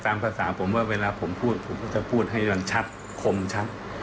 ภาษาผมว่าเวลาผมพูดผมก็จะพูดให้มันชัดคมชัด